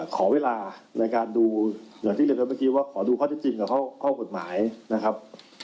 ขอเวลาในการดูเหมือนที่เรียกเมื่อเมื่อกี้ว่าขอดูข้อจินกับข้อกฎหมายนะครับ